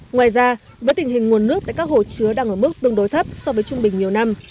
ngoài ra với tình hình nguồn nước tại các hồ chứa đang ở mức tương đối thấp so với trung bình nhiều năm